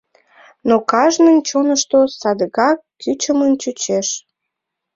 Но кажнын чонышто садыгак кӱчымын чучеш.